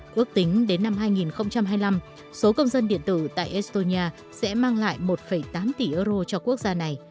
quốc tính đến năm hai nghìn hai mươi năm số công dân điện tử tại estonia sẽ mang lại một tám tỷ euro cho quốc gia này